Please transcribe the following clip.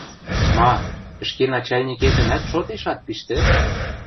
– Ма, ӹшке начальникетӹмӓт шотеш ат пиштӹ?!